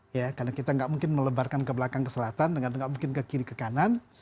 ya karena kita nggak mungkin melebarkan ke belakang ke selatan dengan tidak mungkin ke kiri ke kanan